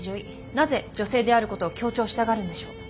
なぜ女性であることを強調したがるんでしょう。